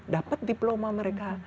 dapat diploma mereka